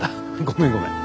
ごめんごめん。